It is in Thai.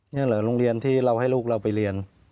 นี่เหรอโรงเรียนที่เราให้ลูกเราไปเรียน